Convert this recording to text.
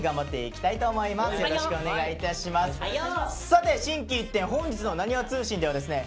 さて心機一転本日の「なにわ通信」ではですね